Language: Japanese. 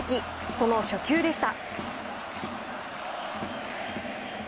その初球でした。